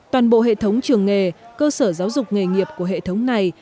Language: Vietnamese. toàn bộ hệ thống trường nghề cơ sở giáo dục nghề nghiệp của hệ thống này